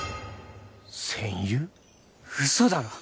うそだろ？